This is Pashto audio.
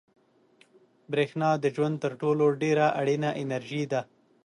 برېښنا د ژوند تر ټولو ډېره اړینه انرژي ده.